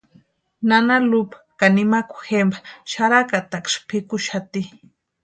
Nana Lupa ka nimawka jempa xarakataksï pʼikuxati.